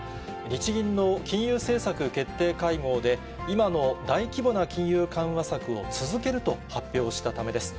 日銀の金融政策決定会合で、今の大規模な金融緩和策を続けると発表したためです。